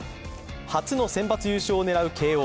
初のセンバツ優勝を狙う慶応。